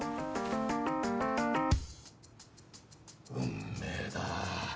運命だ。